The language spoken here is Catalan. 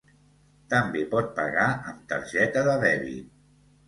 També pot pagar amb targeta de dèbit.